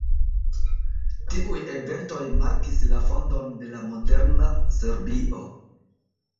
Tiuj eventoj markis la fondon de la moderna Serbio.